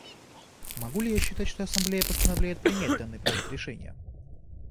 Могу ли я считать, что Ассамблея постановляет принять данный проект решения?